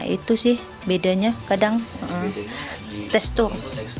itu sih bedanya kadang tekstur